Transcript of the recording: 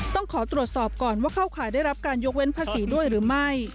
ต้องขอตรวจสอบก่อนว่าเข้าข่ายได้รับการยกเว้นภาษีด้วยหรือไม่